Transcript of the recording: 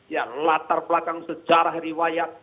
ya latar belakang sejarah riwayat